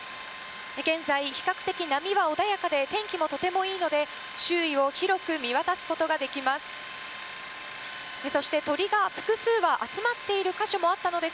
現在、比較的、波は穏やかで天気もとてもいいので周囲を広く見渡すことができます。